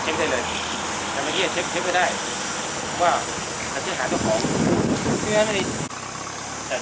โรงพยาบาลโรงพยาบาล